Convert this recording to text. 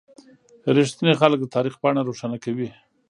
• رښتیني خلک د تاریخ پاڼه روښانه کوي.